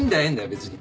別に。